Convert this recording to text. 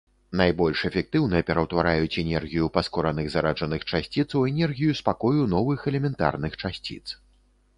Найбольш эфектыўна пераўтвараюць энергію паскораных зараджаных часціц у энергію спакою новых элементарных часціц.